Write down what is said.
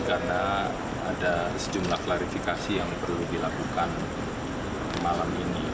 karena ada sejumlah klarifikasi yang perlu dilakukan malam ini